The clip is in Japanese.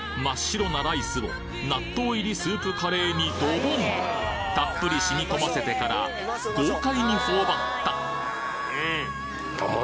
真っ白なライスを納豆入りスープカレーにドボンたっぷり染み込ませてから豪快に頬張った！